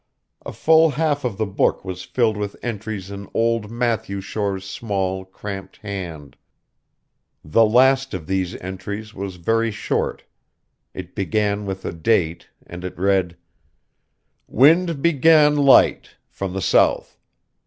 A full half of the book was filled with entries in old Matthew Shore's small, cramped hand. The last of these entries was very short. It began with a date, and it read: "Wind began light, from the south.